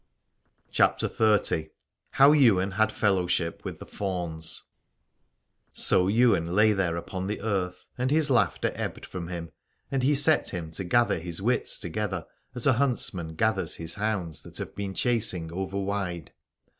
187 CH|APTER XXX. HOW YWAIN HAD FELLOWSHIP WITH THE FAUNS. So Ywain lay there upon the earth, and his laughter ebbed from him : and he set him to gather his wits together as a huntsman gathers his hounds that have been chasing over wide.